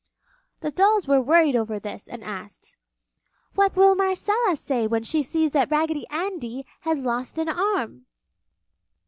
The dolls were worried over this and asked, "What will Marcella say when she sees that Raggedy Andy has lost an arm?"